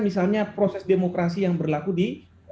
misalnya proses demokrasi yang berlaku di